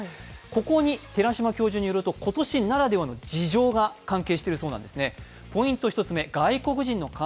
ここに寺嶋教授によると今年ならではの事情が関係しているようなんですね。